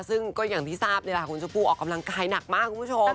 ซึ่งก็อย่างที่ทราบนี่แหละคุณชมพู่ออกกำลังกายหนักมากคุณผู้ชม